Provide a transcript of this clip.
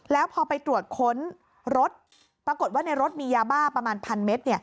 แล้วพอไปตรวจค้นรถปรากฏว่าในรถมียาบ้าประมาณ๑๐๐เมตร